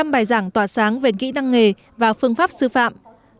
một mươi bài giảng tỏa sáng về kỹ năng nghề và phương pháp sư phạm